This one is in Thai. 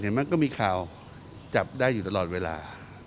มั้ยก็มีข่าวจับได้อยู่ตลอดเวลา